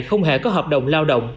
không hề có hợp đồng lao động